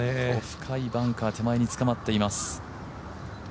深いバンカー、手前につかまっています。